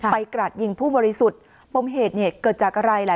ไปกรัดยิ่งผู้บริสุทธิ์ปรมเหตุเกิดจากอะไร